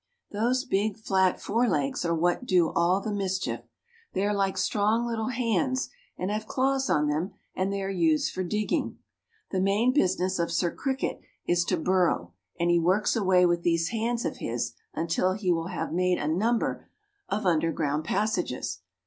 "Those big flat fore legs are what do all the mischief. They are like strong little hands and have claws on them and they are used for digging. The main business of Sir Cricket is to burrow and he works away with these hands of his until he will have made a number of underground passages.